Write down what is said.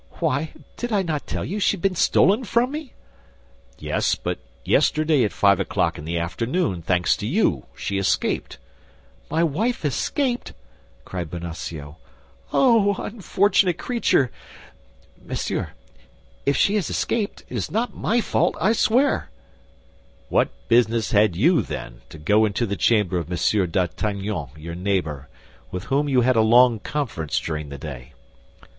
"Why, did not I tell you she had been stolen from me?" "Yes, but yesterday at five o'clock in the afternoon, thanks to you, she escaped." "My wife escaped!" cried Bonacieux. "Oh, unfortunate creature! Monsieur, if she has escaped, it is not my fault, I swear." "What business had you, then, to go into the chamber of Monsieur d'Artagnan, your neighbor, with whom you had a long conference during the day?"